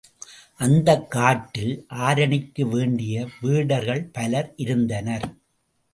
அந்தக் காட்டில் ஆருணிக்கு வேண்டிய வேடர்கள் பலர் இருந்தனர்.